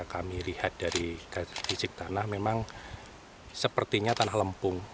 kami lihat dari fisik tanah memang sepertinya tanah lempung